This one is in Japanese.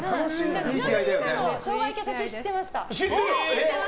ちなみに今のショウガ焼き私、知ってました。